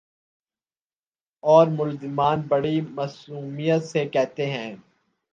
اورملزمان بڑی معصومیت سے کہتے ہیں۔